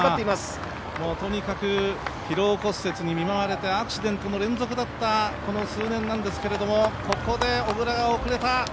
とにかく疲労骨折に見舞われて、アクシデントの連続だったこの数年なんですけどここで小椋が遅れた。